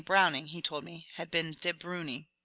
Browning told me, had been De Bruui.